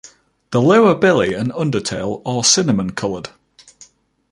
The lower belly and undertail are cinnamon coloured.